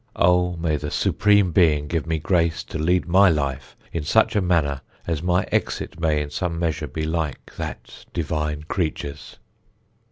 Oh, may the Supreme Being give me grace to lead my life in such a manner as my exit may in some measure be like that divine creature's.